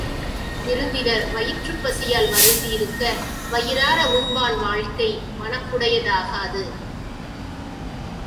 விருந்தினர் வயிற்றுப் பசியால் வருந்தியிருக்க, வயிறார உண்பான் வாழ்க்கை வனப்புடையதாகாது.